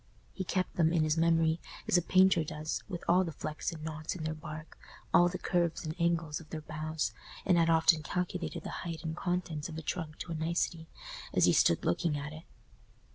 He kept them in his memory, as a painter does, with all the flecks and knots in their bark, all the curves and angles of their boughs, and had often calculated the height and contents of a trunk to a nicety, as he stood looking at it.